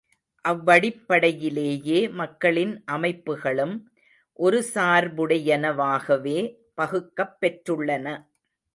அவ்வடிப்படையிலேயே மக்களின் அமைப்புகளும் ஒருசார்புடையன வாகவே பகுக்கப் பெற்றுள்ளன.